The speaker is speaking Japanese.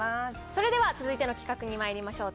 それでは続いての企画にまいりましょう。